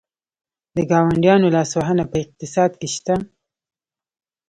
د ګاونډیانو لاسوهنه په اقتصاد کې شته؟